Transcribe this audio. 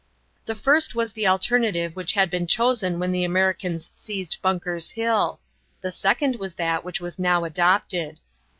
The first was the alternative which had been chosen when the Americans seized Bunker's Hill; the second was that which was now adopted.